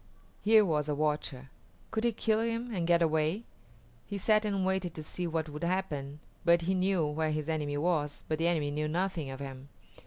Here was a watcher. Could he kill him and get away? He sat and waited to see what would happen, for he knew where his enemy was, but the enemy knew nothing of him.